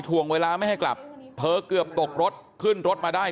ถ่วงเวลาไม่ให้กลับเธอเกือบตกรถขึ้นรถมาได้